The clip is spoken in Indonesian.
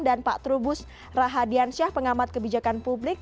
dan pak trubus rahadiansyah pengamat kebijakan publik